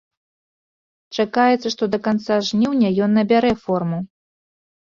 Чакаецца, што да канца жніўня ён набярэ форму.